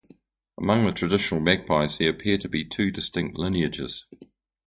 Among the traditional magpies, there appear to be two distinct lineages.